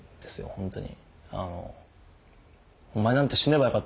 本当に。